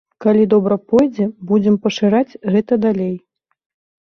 Калі добра пойдзе, будзем пашыраць гэта далей.